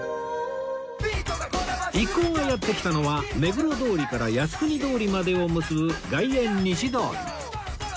一行がやって来たのは目黒通りから靖国通りまでを結ぶ外苑西通り